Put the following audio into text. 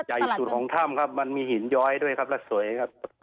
ใหญ่สุดของถ้ำครับมันมีหินย้อยด้วยครับและสวยครับ